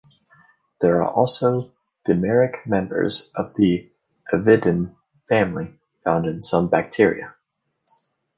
There are also dimeric members of the avidin family found in some bacteria.